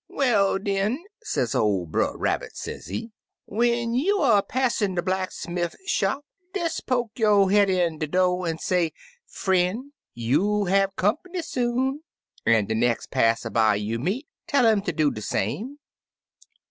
'Well, den,' sez ol' Brer Rabbit, sezee, 'when you er passin' de blacksmiff shop, des poke yo' head in de do', an' say, "Frien', you'll have comp'ny soon," an' de nex' passer by you meet^ tell um ter do de same.'